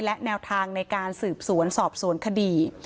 และแนวทางในการสืบสวนสอบสวนคดี